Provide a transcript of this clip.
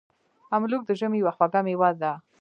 املوک د ژمي یوه خوږه میوه ده.